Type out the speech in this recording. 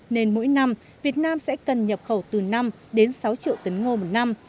nên mỗi năm việt nam sẽ cần nhập khẩu từ năm đến sáu triệu tấn ngô một năm